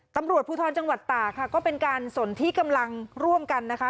ตำรวจภูทรจังหวัดตาค่ะก็เป็นการสนที่กำลังร่วมกันนะคะ